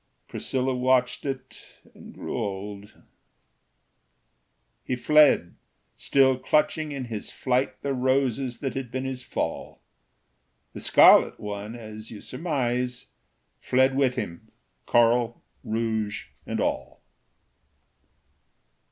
Priscilla watched it, and grew old. He fled, still clutching in his flight The roses that had been his fall; The Scarlet One, as you surmise, Fled with him, coral, rouge, and all.